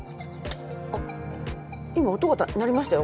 あっ今音が鳴りましたよ